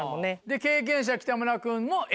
経験者北村君もＡ。